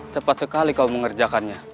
cepat sekali kau mengerjakannya